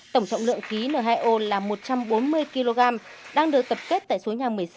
tổng trọng lượng khí n hai o là một trăm bốn mươi kg đang được tập kết tại số nhà một mươi sáu